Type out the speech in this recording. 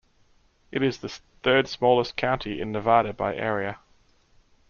It is the third-smallest county in Nevada by area.